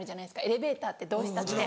エレベーターってどうしたって。